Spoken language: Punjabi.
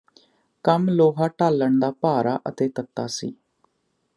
ਕੰਮ ਲੋਹਾ ਢਾਲਣ ਦਾ ਭਾਰਾ ਅਤੇ ਤੱਤਾ ਸੀ